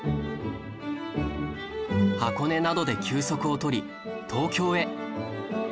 箱根などで休息を取り東京へ